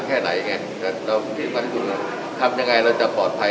คือมันจะมีการเปิดอย่างเงินภาพเดิม